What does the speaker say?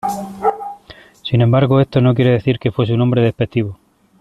Sin embargo esto no quiere decir que fuese un nombre despectivo.